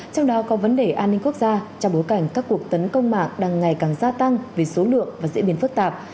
trong đó có vấn đề an ninh quốc gia trong bối cảnh các cuộc tấn công mạng đang ngày càng gia tăng về số lượng và diễn biến phức tạp